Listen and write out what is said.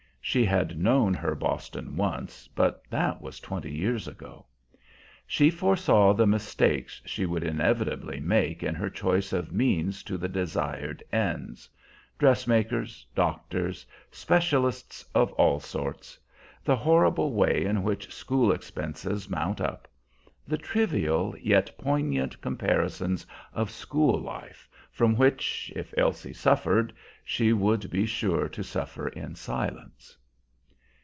(She had known her Boston once, but that was twenty years ago.) She foresaw the mistakes she would inevitably make in her choice of means to the desired ends dressmakers, doctors, specialists of all sorts; the horrible way in which school expenses mount up; the trivial yet poignant comparisons of school life, from which, if Elsie suffered, she would be sure to suffer in silence.